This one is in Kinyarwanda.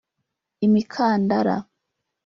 imikandara